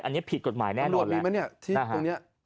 อันนี้ผิดกฎหมายแน่นอนแล้วตำรวจมีไหมเนี่ยที่ตรงเนี้ยนะฮะ